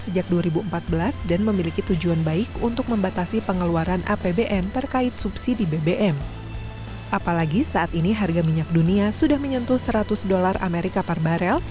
jadi saat ini harga minyak dunia sudah menyentuh seratus dolar amerika parbarel